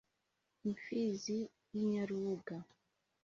Imfizi y‘Inyarubuga